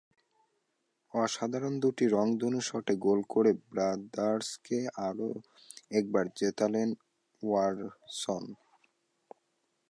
অসাধারণ দুটি রংধনু শটে গোল করে ব্রাদার্সকে আরও একবার জেতালেন ওয়ালসন।